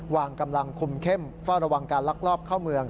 วางกำลังคุมเข้มเฝ้าระวังการลักลอบเข้าเมือง